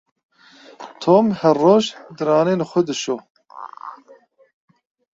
Tom her roj diranên xwe dişo.